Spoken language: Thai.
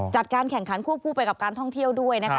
จัดการแข่งขันควบคู่ไปกับการท่องเที่ยวด้วยนะคะ